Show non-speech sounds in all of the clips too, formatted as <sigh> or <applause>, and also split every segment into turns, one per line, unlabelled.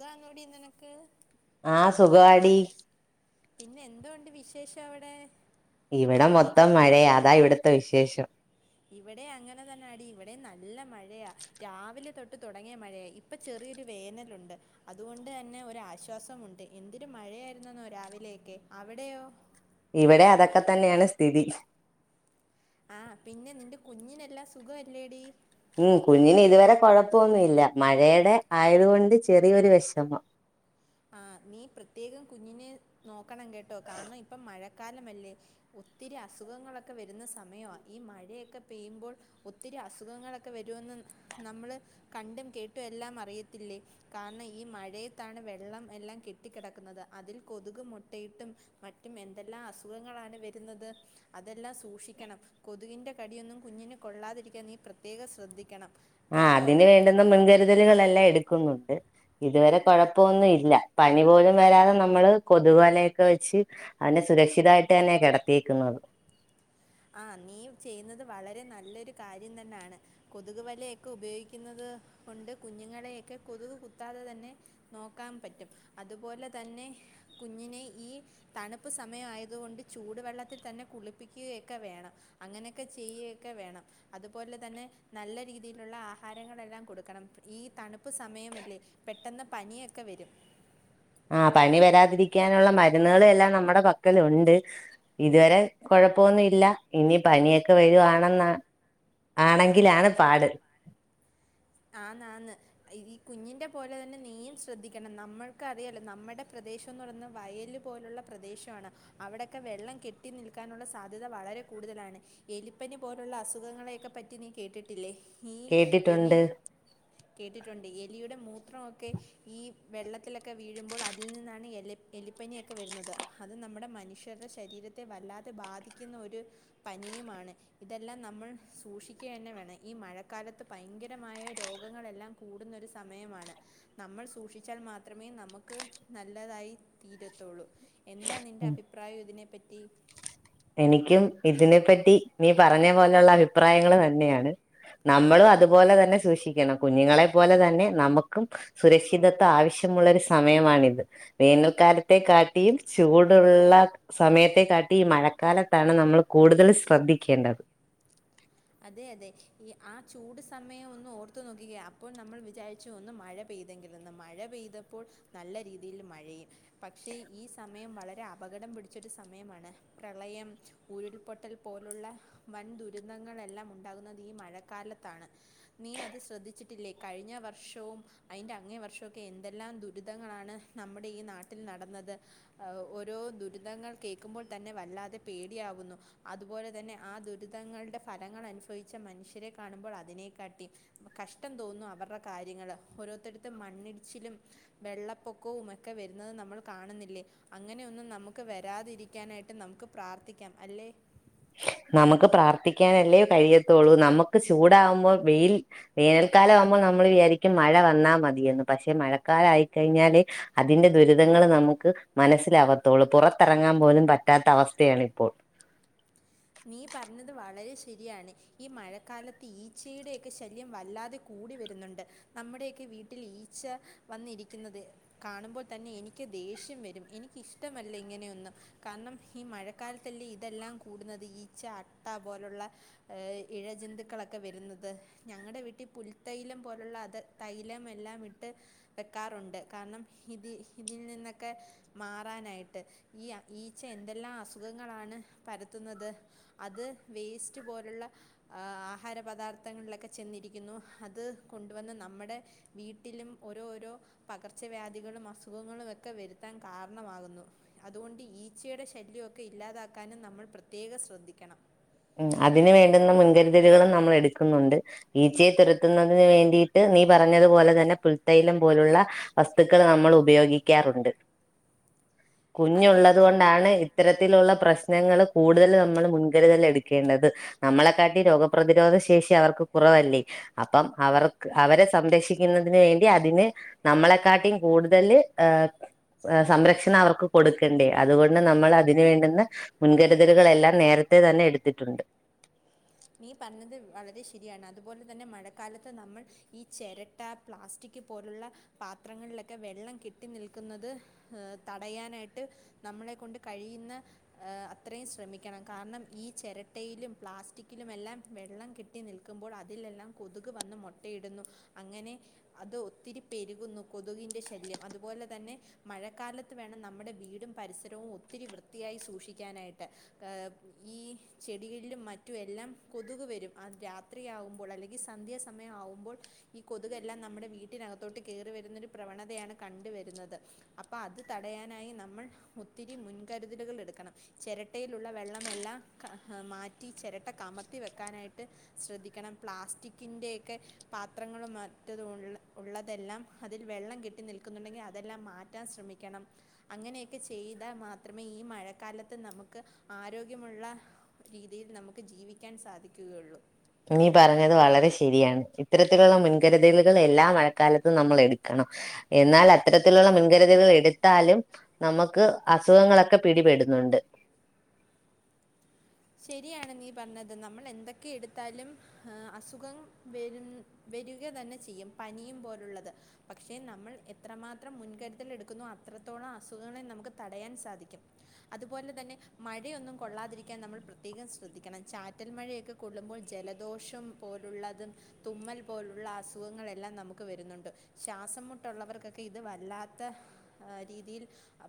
ഖാണോടീ നിനക്ക്?
ടീ
പിന്നെ എന്തോ ഒണ്ട് വിശേഷവിടെ?
ഇവട മൊത്തം മഴയാ അതാ ഇവിടത്തെ വിശേഷം
ഇവടെ അങ്ങന തന്നാടീ ഇവടേം നല്ല മഴയാ രാവിലെ തൊട്ട് തൊടങ്ങിയ മഴയാ ഇപ്പൊ ചെറിയൊരു വേനലുണ്ട് അതുകൊണ്ട് അന്നെ ഒരാശ്വാസമുണ്ട് എന്തൊരു മഴയായിരുന്നെന്നോ രാവിലെയൊക്കെ അവിടെയോ?
ഇവടെ അതൊക്കെ തന്നെയാണ് സ്ഥിതി
ആഹ് പിന്നെ നിന്റെ കുഞ്ഞിനെല്ലാം സുഖവല്ലേടീ?
ഉം കുഞ്ഞിനിതുവരെ കൊഴപ്പൊന്നു ഇല്ല മഴേടെ ആയതുകൊണ്ട് ചെറിയൊരു വെഷമം
ആഹ് നീ പ്രത്യേകം കുഞ്ഞിനെ നോക്കണം കേട്ടോ കാരണം ഇപ്പം മഴക്കാലമല്ലേ ഒത്തിരി അസുഖങ്ങളൊക്കെ വരുന്ന സമയവാ ഈ മഴയെക്കെ പെയ്യുമ്പോൾ ഒത്തിരി അസുഖങ്ങളക്കെ വരുമെന്ന് നമ്മള് കണ്ടും കേട്ടു എല്ലാം അറിയത്തില്ലേ കാരണം ഈ മഴയത്താണ് വെ വെള്ളം എല്ലാം കെട്ടിക്കെടക്കുന്നത് അതിൽ കൊതുക് മൊട്ടയിട്ടും മറ്റും എന്തെല്ലാ അസുഖങ്ങളാണ് വെരുന്നത് അതെല്ലാം സൂഷിക്കണം കൊതുകിൻ്റെ കടിയൊന്നും കുഞ്ഞിന് കൊള്ളാതിരിക്കാൻ നീ പ്രത്യേകം ശ്രദ്ധിക്കണം
ആഹ്
കേട്ടോ
അതിന് വേണ്ടുന്ന മുൻകരുതലുകളെല്ലാ എടുക്കുന്നുണ്ട് ഇതുവരെ കൊഴപ്പൊന്നു ഇല്ല പനി പോലും വരാതെ നമ്മള് കൊതുകുവലയൊക്കെ വച്ച് നല്ല സുരക്ഷിതായിട്ട് അന്നെയാ കെടത്തിയേക്കുന്നത്
ആ നീ ചെയ്യുന്നത് വളരെ നല്ലൊരു കാര്യം തന്നാണ് കൊതുക് വലയൊക്കെ ഉപയോഗിക്കുന്നത് കൊണ്ട് കുഞ്ഞുങ്ങളെയെക്കെ കൊതുക് കുത്താതെ തന്നെ നോക്കാമ്പറ്റും അതുപോലെ തന്നെ കുഞ്ഞിനെ ഈ തണുപ്പ് സമയവായത് കൊണ്ട് ചൂടു വെള്ളത്തിൽ തന്നെ കുളിപ്പിക്കുകയെ ക്കെ വേണം അങ്ങനെയെക്കെ ചെയ്യേക്കെ വേണം അതുപോലെ തന്നെ നല്ല രീതിയിലുള്ള ആഹാരങ്ങളെല്ലാം കൊടുക്കണം ഈ തണുപ്പ് സമയമല്ലേ പെട്ടെന്ന് പനിയൊക്കെ വരും
ആഹ് പനി വരാതിരിക്കാനുള്ള മരുന്നുകള് എല്ലാം നമ്മടെ പക്കലൊണ്ട് ഇതുവരെ കൊഴപ്പൊന്നും ഇല്ല ഇനി പനിയൊക്കെ വരുവാണെന്ന ആണെങ്കിലാണ് പാട്
ആന്നാന്ന് ഈ കുഞ്ഞിന്റെ പോലെ തന്നെ നീയും ശ്രദ്ധിക്കണം നമ്മൾക്കറിയല്ലോ നമ്മുടെ പ്രദേശംന്ന് പറയുന്ന വയല് പോലുള്ള പ്രദേശവാണ് അവിടെക്കെ വെള്ളം കെട്ടി നിൽക്കാനുള്ള സാധ്യത വളരെ കൂടുതലാണ് എലിപ്പനി പോലുള്ള അ സുഖങ്ങളെയെക്കെ പറ്റി നീ കേട്ടിട്ടില്ലേ? ഈ എലി
കേട്ടിട്ടുണ്ട്
കേട്ടിട്ടുണ്ട് എലിയുടെ മൂത്രമൊക്കെ ഈ വെള്ളത്തിലക്കെ വീഴുമ്പോൾ അതിൽ നിന്നാണ് എലിപ്പ് എലിപ്പനിയൊക്കെ വരുന്നത് അത് നമ്മുടെ മനുഷ്യര്ടെ ശരീരത്തെ വല്ലാതെ ബാധിക്കുന്ന ഒരു പനിയുമാണ് ഇതെല്ലാം നമ്മൾ സൂക്ഷിക്ക്യന്നെ വേണം ഈ മഴക്കാലത്ത് ഭയങ്കരമായ രോഗങ്ങളെല്ലാം കൂടുന്നൊരു സമയമാണ് നമ്മൾ സൂക്ഷിച്ചാൽ മാത്രമേ നമ്മുക്ക് നല്ലതായി തീരത്തൊള്ളൂ എന്താ നിന്റെ
ഉം
അഭിപ്രായവിതിനേപറ്റ് റ്റി
എനിക്കും ഇതിനെപ്പറ്റി നീ പറഞ്ഞ പോലൊള്ള അഭിപ്രായങ്ങള് തന്നെയാണ്. നമ്മളുവതുപോലെ തന്നെ സൂക്ഷിക്കണം കുഞ്ഞുങ്ങളെ പോലെ തന്നെ നമക്കും സുരക്ഷിതത്വ ആവശ്യമുള്ളൊരു സമയമാണിത്. വേനൽക്കാലത്തെ കാട്ടിയും ചൂടുള്ള സമയത്തെ കാട്ടിയീ മഴക് കാലത്താണ് നമ്മള് കൂടുതൽ ശ്രദ്ധിക്കേണ്ടത്
അതെയതെ ഈ ആ ചൂട് സമയവൊന്നോർത്തു നോക്കിക്കേ അപ്പോൾ നമ്മൾ വിചാരിച്ചു ഒന്ന് മഴ പെയ്തെങ്കിലെന്ന് മഴ പെയ്തപ്പോൾ നല്ല രീതിയിൽ മഴയും പക്ഷേ ഈ സമ മയം വളരെ അപകടം പിടിച്ചൊരു സമയമാണ് പ്രളയം ഉരുൾപൊട്ടൽ പോലുള്ള വൻ ദുരന്തങ്ങ് ങ്ങളെല്ലാമുണ്ടാകുന്നതീ മഴക്കാലത്താണ്. നീ അത് ശ്രദ്ധിച്ചിട്ടില്ലേ കഴിഞ്ഞ വർഷവും അയിൻ്റങ്ങേവർഷൊക്കെ എന്തെല്ലാം ദുരിതങ്ങളാണ് നമ്മുടെ ഈ നാട്ടിൽ നടന്നത്. അ ഓരോ ദുരിതങ്ങൾ കേക്കുമ്പോൾ തന്നെ വല്ലാതെ പേടിയാവുന്നു. അതുപോലെ തന്നെ ആ ദുരിതങ്ങൾടെ ഫലങ്ങൾ അനുഫവിച്ച മനുഷ്യരെ കാണുമ്പോൾ അതിനേകാട്ടീം കഷ്ടം തോന്നുന്നു അവര്ട കാര്യങ്ങള് ഓരോരുത്തരുത്ത് മണ്ണിടിച്ചിലും വെള്ളപ്പൊക്കവും എക്കെ വരുന്നത് നമ്മൾ കാണുന്നില്ലേ അങ്ങനെയൊന്നും നമുക്ക് വരാതിരിക്കാനായിട്ട് നമുക്ക് പ്രാർത്ഥിക്കാം അല്ലേ?
നമക്ക് പ്രാർത്ഥിക്കാനല്ലേ കഴിയത്തൊള്ളൂ നമുക്ക് ചൂടാവുമ്പോൾ വെയിൽ വേനൽക്കാലാവുമ്പോൾ നമ്മള് വിയാരിക്കും മഴ വന്നാ മതിയെന്ന് പക്ഷേ മഴക്കാലായിക്കഴിഞ്ഞാലേ അതിൻ്റെ ദുരിതങ്ങള് നമുക്ക് മനസ്സിലാവത്തൊള്ളൂ പൊറത്തെറങ്ങാൻ പോലും പറ്റാത്തവസ്ഥയാണിപ്പോൾ
നീ പറഞ്ഞത് വളരെ ശരിയാണ് ഈ മഴക്കാലത്ത് ഈച്ചയുടെയെക്കെ ശല്യം വല്ലാതെ കൂടി വരുന്നുണ്ട് നമ്മുടെയൊക്കെ വീട്ടിൽ ഈച്ച വന്നിരിക്കുന്നത് കാണുമ്പോൾ തന്നെയെനിക്ക് ദേഷ്യം വരും എനിക്കിഷ്ടമല്ല ഇങ്ങനെയൊന്നും കാർണം ഈ മഴക്കാലത്തല്ലേ ഇതെല്ലാം കൂടുന്നത് ത് ഈച്ച അട്ട പോലുള്ള ഏ ഇഴ ജന്തുക്കളൊക്കെ വരുന്നത് ഞങ്ങടെ വീട്ടീ പുൽത്തൈലം പോലുള്ളത് തൈലമെല്ലാമിട്ട് വെക്കാറുണ്ട് കാർണം ഇത് ഇതിൽ നിന്നൊക്കെ മാറാനായിട്ട് ഈയാ ഈച്ച എന്തെല്ലാം അസുഖങ്ങളാണ് പരത്തുന്നത് അത് വേസ്റ്റ് പോലുള്ള അ ആഹാര പദാർത്ഥങ്ങളിലൊക്കെ ചെന്നിരിക്കുന്നു അത് കൊണ്ടുവന്ന് നമ്മടെ വീട്ടിലും ഓരോ ഓരോ പകർച്ചവ്യാധികളും അസുഖങ്ങളുവെക്കെ വരുത്താൻ കാരണവാകുന്നു. അതുകൊണ്ട് ഈച്ചയുടെ ശല്യവൊക്കെ ഇല്ലാതാക്കാനും നമ്മൾ പ്രത്യേക ശ്രദ് ദ്ധിക്കണം
ഉം അതിനു വേണ്ടുന്ന മുൻകരുതലുകളും നമ്മളെടുക്കുന്നുണ്ട്. ഈച്ചയെ തുരത്തുന്നതിന് വേണ്ടിയിട്ട് നീ പറഞ്ഞതുപോലെ തന്നെ പുൽത്തൈലം പോലുള്ള വസ്തുക്കള് നമ്മളുപയോഗിക്കാറുണ്ട്.
അതെ
കുഞ്ഞുള്ളത്
അതെ
കൊണ്ടാണ് ഇത്തരത്തിലുള്ള പ്രശ് നങ്ങള് കൂടുതല് നമ്മള് മുൻകരുതലെടുക്ക് ക്കേണ്ടത് നമ്മളെക്കാട്ടി രോഗപ്രതിരോധശേഷി അവർക്ക് കുറവല്ലേ. അപ്പം അവർക്ക് അവരെ സംരക്ഷിക്കുന്നതിന് വേണ്ടി അതിന് നമ്മളെക്കാട്ടിം കൂടുതല് ആഹ് ആഹ് സംരക്ഷണം അവർക്ക് കൊടുക്കണ്ടേ അതുകൊണ്ട് നമ്മൾ അതിന് വേണ്ടുന്ന മുൻകരുതലുകളെല്ലാം നേരത്തെ തന്നെ എടു ത്തിട്ടുണ്ട്
നീ പറഞ്ഞത് വളരെ ശരിയാണ്, അതുപോലെ തന്നെ മഴക്കാലത്ത് നമ്മൾ ഈ ചെരട്ട പ്ലാസ്റ്റിക് പോലുള്ള പാത്രങ്ങളിലൊക്കെ വെള്ളം കെട്ടി നിൽക്കുന്നത് തടയാനായിട്ട് നമ്മളെ കൊണ്ട് കഴിയുന്ന ഏഹ് അത്രയും ശ്രമിക്കണം കാരണം ഈ ചെരട്ടയിലും പ്ലാസ്റ്റി <unintelligible> എല്ലാം വെള്ളം കെട്ടി നിൽക്കുമ്പോൾ അതിലെല്ലാം കൊതുക് വന്ന് മൊട്ടയിടുന്നു. അങ്ങനെ അത് ഒത്തിരി പെരുകുന്നു കൊതുകിൻ്റെ ശല്യം അതുപോലെ തന്നെ മഴക്കാലത്ത് വേണം നമ്മുടെ വീടും പരിസരവും ഒത്തിരി വൃത്തിയായി സൂക്ഷിക്കാനായിട്ട് ഏഹ് ഈ ചെടികളിലും മ <unintelligible> എല്ലാം കൊതുക് വരും അ രാത്രിയാവുമ്പോൾ അല്ലെങ്കിൽ സന്ധ്യാസമയം ആവുമ്പോൾ ഈ കൊതുകെല്ലാം നമ്മുടെ വീട്ടിനകത്തോട്ട് കയറി വരുന്നൊരു പ്രവണതയാണ് കണ്ട് വരുന്നത്. അപ്പൊ അത് തടയാനായി നമ്മൾ ഒത്തിരി മുൻകരുതലുകൾ എടുക്കണം ചെരട്ടയിലുള്ള വെള്ളമെല്ലാം ക മാറ്റി ചെര <unintelligible> കമത്തി വെക്കാനായിട്ട് ശ്രദ്ധിക്കണം. പ്ലാസ്റ്റിക്കിൻ്റെയൊക്കെ പാത്രങ്ങളും മറ്റതും ഉള്ള ഉള്ളതെല്ലാം അതിൽ വെള്ളം കെട്ടി നിൽക്കുന്നുണ്ടെങ്കിൽ അതെല്ലാം മാറ്റാൻ ശ്രമിക്കണം അങ്ങനെയൊക്കെ ചെയ്താൽ മാത്രമേ ഈ മഴക്കാലത്ത് നമുക്ക് ആരോഗ്യമുള്ള രീതിയിൽ നമു <unintelligible> ജീവിക്കാൻ സാധിക്കുകയുള്ളു.
നീ പറഞ്ഞത് വളരെ ശരിയാണ്. ഇത്തരത്തിലുള്ള മുൻകരുതലുകൾ എല്ലാ മഴക്കാലത്തും നമ്മൾ എടുക്കണം എന്നാൽ അത്തരത്തിലുള്ള മുൻകരുതലുകൾ എടുത്താലും നമുക്ക് അസുഖങ്ങളൊക്കെ പിടിപെടുന്നുണ്ട്.
ശരിയാണ് നീ പറഞ്ഞത് നമ്മൾ എന്തൊക്കെ എടുത്താലും അസുഖം വരും വരിക തന്നെ ചെയ്യും പനിയും പോലുള്ളത് പക്ഷെ നമ്മൾ എത്രമാത്രം മുൻകരുതൽ എടുക്കുന്നു അത്രത്തോളം അസുഖങ്ങളെ നമുക്ക് തടയാൻ സാധിക്കും. അതുപോലെ തന്നെ മഴയൊന്നും കൊള്ളാതിരിക്കാൻ നമ്മൾ പ്രത്യേകം ശ്രദ്ധിക്കണം ചാറ്റൽ മഴയൊക്കെ കൊള്ളുമ്പോൾ ജലദോഷം പോലുള്ളതും തുമ്മൽ പോലുള്ള അസുഖങ്ങളെല്ലാം നമുക്ക് വരുന്നുണ്ട്. ശാസംമുട്ടുള്ളവർക്കൊക്കെ ഇത് വല്ലാത്ത രീതിയിൽ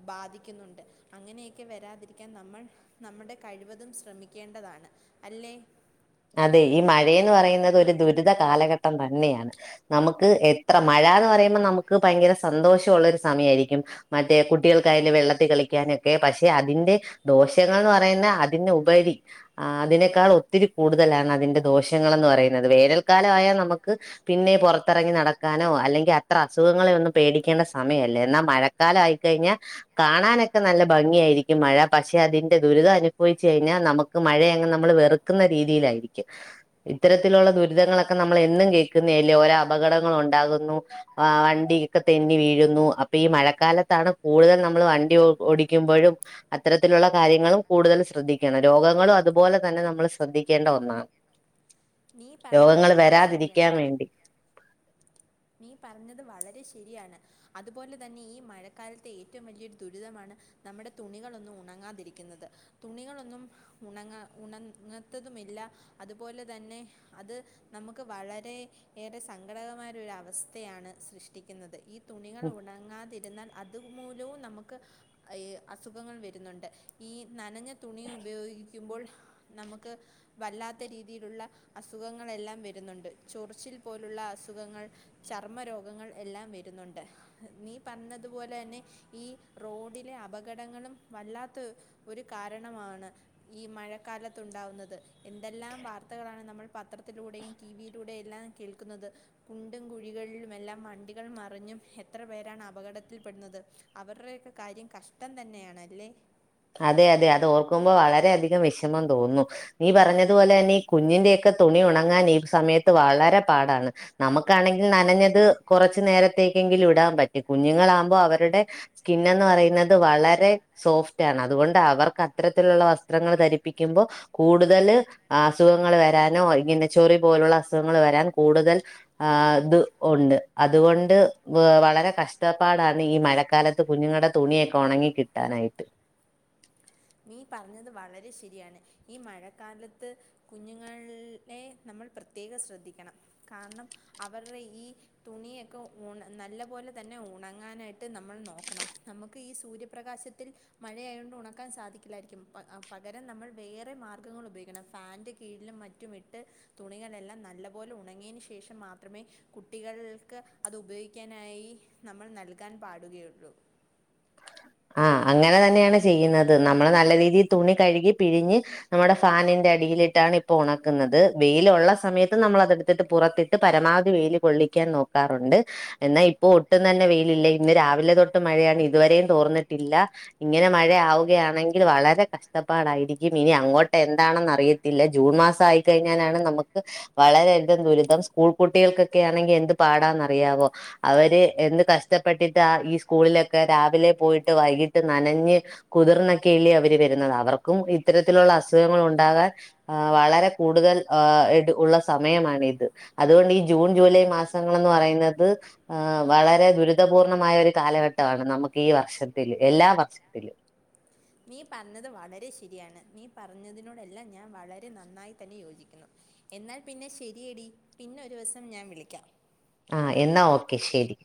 ബാധിക്കുന്നുണ്ട് അങ്ങനെയൊക്കെ വരാതിരിക്കാൻ നമ്മൾ നമ്മുടെ കഴിവതും സ്‌ ശ്രമിക്കേണ്ടതാണ്, അല്ലേ?
അതെ ഈ മഴയന്ന് പറയുന്നത് ഒരു ദുരിത കാലഘട്ടം തന്നെയാണ് നമുക്ക് എത്ര മഴ എന്ന് പറയുമ്പോൾ നമുക്ക് ഭയങ്കര സന്തോഷമുള്ള ഒരു സമയയിരിക്കും. മറ്റേ കുട്ടികൾക്ക് അതിന്റെ വെള്ളത്തിൽ കളിക്കാനൊക്കെ പക്ഷെ അതിന്റെ ദോഷങ്ങൾ എന്ന് പറയുന്ന അതിന് ഉപരി അതിനേക്കാൾ ഒത്തിരി കൂടുതലാണ് അതിന്റെ ദോഷങ്ങളെന്ന് പറയുന്നത്. വേനൽക്കാലം ആയാൽ നമുക്ക് പിന്നെ പൊറത്തിറങ്ങി നടക്കാനോ അല്ലെങ്കിൽ അത്ര അസുഖങ്ങളെ ഒന്നും പേടിക്കേണ്ട സമയല്ല. എന്നാൽ മഴക്കാലം ആയിക്കഴിഞ്ഞാൽ കാണാനൊക്കെ നല്ല ഭംഗിയായിരിക്കും മഴ പക്ഷെ അതിന്റെ ദുരിതം അനുഭവിച്ചു കഴിഞ്ഞാൽ നമുക്ക് മഴയങ്ങ് നമ്മൾ വെറുക്കുന്ന <unintelligible> ഇത്തരത്തിലുള്ള ദുരിതങ്ങളൊക്കെ നമ്മൾ എന്നും കേൾക്കുന്ന അല്ലേ ഓരോ അപകടങ്ങൾ ഉണ്ടാകുന്നു. ആഹ് വണ്ടിയൊക്കെ തെന്നി വീഴുന്നു അപ്പൊ ഈ മഴക്കാലത്താണ് കൂടുതൽ നമ്മൾ വണ്ടി ഒ ഓടിക്കുമ്പോഴും അത്തരത്തിലുള്ള കാര്യങ്ങളും കൂടുതൽ ശ്രദ്ധിക്കണം രോഗങ്ങളും അതുപോലെ തന്നെ നമ്മള് സ്‌ ശ്രദ്ധിക്കേണ്ട ഒന്നാ
നീ പറഞ്ഞത്
രോഗങ്ങൾ
വളരെ ശരിയാണ്
വരാതിരിക്കാൻ വേണ്ടി
നീ പറഞ്ഞത് വളരെ ശരിയാണ്. അതുപോലെ തന്നെ ഈ മഴക്കാലത്ത് ഏറ്റവും വലിയൊരു ദുരിതമാണ് നമ്മുടെ തുണികളൊന്നും ഉണങ്ങാതിരിക്കുന്നത്. തുണികളൊന്നും ഉണങ്ങ ഉണങ്ങത്തതുമില്ല അതുപോലെ തന്നെ അത് നമുക്ക് വളരെ ഏറെ സങ്കടകമായ ഒരു ര അവസ്ഥയാണ് സൃഷ്ടിക്കുന്നത് ഈ തുണികൾ ഉണങ്ങാതിരുന്നാൽ അതുമൂലവും നമുക്ക് ഏയ് അസുഖങ്ങൾ വരുന്നുണ്ട് ഈ നനഞ്ഞ തുണി ഉപയോഗിക്കുമ്പോൾ നമുക്ക് വല്ലാത്ത രീതിയിലുള്ള അസുഖങ്ങളെല്ലാം വരുന്നുണ്ട് ചൊറിച്ചിൽ പോലുള്ള അസുഖങ്ങൾ ചർമ്മ രോഗങ്ങൾ എല്ലാം വരുന്നുണ്ട് നീ പറഞ്ഞതുപോലെ തന്നെ ഈ റോഡിലെ അപകടങ്ങളും വല്ലാത്ത ഒരു കാരണമാണ് ഈ മഴക്കാലത്തുണ്ടാവുന്നത് എന്തെല്ലാം വാർത്തകളാണ് നമ്മൾ പത്രത്തിലൂടെയും ടി വിയിലൂടെ എല്ലാം കേൾക്കുന്നത് കു <unintelligible> കുഴികളിലും എല്ലാം വണ്ടികൾ മറിഞ്ഞും എത്ര പേരാണ് അപകടത്തിൽപ്പെടുന്നത് അവരുടെയൊക്കെ കാര്യം കഷ്ടം തന്നെയാണ് അല്ലേ
അതെ അതെ അത് ഓർക്കുമ്പോൾ വളരെയധികം വിഷമം തോന്നുന്നു നീ പറഞ്ഞതുപോലെ തന്നെ ഈ കുഞ്ഞിന്റെക്കെ തുണി ഉണങ്ങാൻ ഈ സമയത്ത് വളരെ പാടാണ് നമുക്കാണെങ്കിൽ നനഞ്ഞത് കുറച്ചു നേരത്തേക്കെങ്കിലും ഇടാൻ പറ്റും കുഞ്ഞുങ്ങളാകുമ്പോൾ അവരുടെ സ്കിനന്ന് പറയുന്നത് വളരെ സോഫ് റ്റാണ് അതുകൊണ്ട് അവർക്ക് അത്തരത്തിലുള്ള വസ്ത്രങ്ങൾ ധരിപ്പിക്കുമ്പോൾ കൂടുതൽ അസുഖങ്ങൾ വരാനോ ഇങ്ങനെ ചൊറി പോലുള്ള അസുഖങ്ങൾ വരാൻ കൂടുതൽ ഇത് ഉണ്ട് അതുകൊണ്ട് വളരെ കഷ്ടപ്പാടാണ് ഈ മഴക്കാലത്ത് കുഞ്ഞുങ്ങളുടെ തുണിയൊക്കെ ഉണങ്ങി കിട്ടാനായിട്ട്
നീ പറഞ്ഞത് വളരെ ശരിയാണ് ഈ മഴക്കാലത്ത് കുഞ്ഞുങ്ങളെ നമ്മൾ പ്രത്യേകം ശ്രദ്ധിക്കണം കാരണം അവരുടെ ഈ തുണിയൊക്കെ ഉണ നല്ല പോലെ തന്നെ ഉണങ്ങാനായിട്ട് നമ്മൾ നോക്കണം നമുക്ക് ഈ സൂര്യപ്രകാശത്തിൽ മഴയായൊണ്ട് ഉണക്കാൻ സാധിക്ക ലായിരിക്കും പകരം നമ്മൾ വേറെ മാർഗങ്ങൾ ഉപയോഗിക്കണം ഫാൻറ് കീഴിലും മറ്റും ഇട്ട് തുണികളെല്ലാം നല്ല പോലെ ഉണങ്ങിയു ശേഷം മാത്രമേ കുട്ടികൾക്ക് അത് ഉപയോഗിക്കാനായി നമ്മൾ നൽകാൻ പാടുകയുള്ളൂ
ആഹ് അങ്ങനെ തന്നെയാണ് ചെയ്യുന്നത് നമ്മൾ നല്ല രീതിയിൽ തുണി കഴുകി പിഴിഞ്ഞ് നമ്മുടെ ഫാനിൻന്റെ അടിയിലിട്ടാണ് ഇപ്പൊ ഉണക്കുന്നത് വെയിലൊള്ള സമയത്ത് നമ്മൾ അതെടുത്തിട്ട് പുറത്തിട്ട് പരമാവധി വെയില് കൊള്ളിക്കാൻ നോക്കാറുണ്ട് എന്നാ ഇപ്പോ ഒട്ടും തന്നെ വെയിലില്ല ഇന്ന് രാവിലെ തൊട്ട് മഴയാണ് ഇതുവരെയും തോർന്നി ഇല്ല ഇങ്ങനെ മഴ ആവുകയാണെങ്കിൽ വളരെ കഷ്ടപ്പാടായിരിക്കും ഇനി അങ്ങോട്ട് എന്താണെന്ന് അറിയത്തില്ല ജൂൺ മാസം ആയിക്കഴിഞ്ഞാലാണ് നമുക്ക് വളരെയധികം ദുരിതം സ്കൂൾ കുട്ടികൾക്കൊക്കെ ആണെങ്കിൽ എന്ത് പാടാന്ന്റിയാവോ അവര് എന്ത് കഷ്ടപ്പെട്ടിട്ട് ആ ഈ സ്കൂളിലൊക്കെ രാവിലെ പോയി വൈകിട്ട് നനഞ്ഞ് കുതിർന്നൊക്കെല്ലേ അവർ വരുന്നത് അവർക്കും ഇത്തരത്തിലുള്ള അസുഖങ്ങൾ ഉണ്ടാകാൻ വളരെ കൂടുതൽ ആഹ് ഉള്ള സമയമാണിത് അതുകൊണ്ട് ഈ ജൂൺ ജൂലൈ മാസങ്ങളൾന്ന് പറയുന്നത് വളരെ ദുരിതപൂർണമായ ഒരു കാലഘട്ടമാണ് നമുക്ക് ഈ വർഷത്തു <unintelligible> എല്ലാ വർഷത്തിലും
നീ പറഞ്ഞത് വളരെ ശരിയാണ് നീ പറഞ്ഞതിനോടെല്ലാം ഞാൻ വളരെ നന്നായി തന്നെ യോജിക്കുന്നു എന്നാൽ പിന്നെ ശരിയടി പിന്നെരു വസം ഞാൻ വിളിക്കാം
ആഹ് എന്നാ ഓക്കെ ശരി